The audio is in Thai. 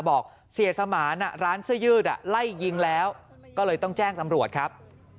บอกเสียสมานร้านเสื้อยืดไล่ยิงแล้วก็เลยต้องแจ้งตำรวจครับ